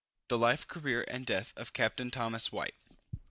THE LIFE, CAREER AND DEATH OF CAPTAIN THOMAS WHITE.